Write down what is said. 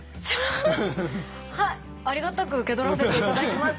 はいありがたく受け取らせて頂きます！